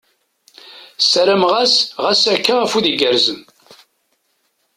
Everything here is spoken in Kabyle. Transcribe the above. Ssarameɣ-as ɣas akka, afud igerrzen !